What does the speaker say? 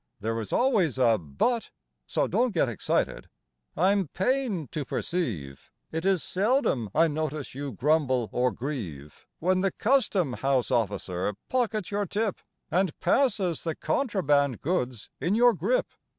There is always a "but," So don't get excited,) I'm pained to perceive It is seldom I notice you grumble or grieve When the custom house officer pockets your tip And passes the contraband goods in your grip.